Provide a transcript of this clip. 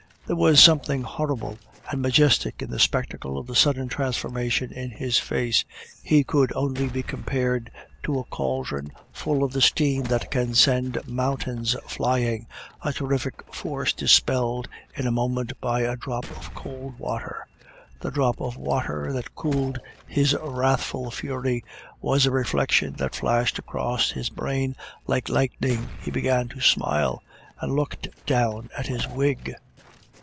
There was something horrible and majestic in the spectacle of the sudden transformation in his face; he could only be compared to a cauldron full of the steam that can send mountains flying, a terrific force dispelled in a moment by a drop of cold water. The drop of water that cooled his wrathful fury was a reflection that flashed across his brain like lightning. He began to smile, and looked down at his wig.